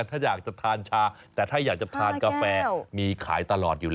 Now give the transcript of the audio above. ทำไมอ่ะอยากกินจังเลย